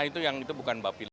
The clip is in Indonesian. nah itu yang itu bukan bapilu